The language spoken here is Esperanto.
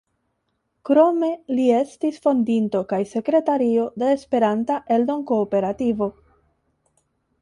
Krome li estis fondinto kaj sekretario de Esperanta Eldon-Kooperativo.